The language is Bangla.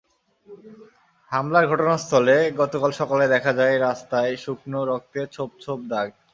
হামলার ঘটনাস্থলে গতকাল সকালে দেখা যায়, রাস্তায় শুকনো রক্তের ছোপ ছোপ দাগ।